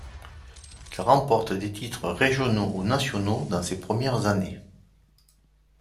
Il remporte des titres régionaux ou nationaux dans ses premières années.